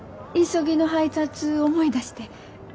急ぎの配達思い出して。